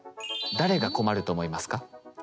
誰が困ると思いますか？